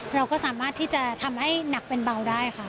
เราก็สามารถที่จะทำให้หนักเป็นเบาได้ค่ะ